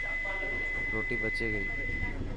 روٽي بچي گئي.